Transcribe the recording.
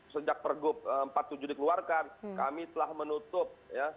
sejak pergub empat puluh tujuh dikeluarkan kami telah menutup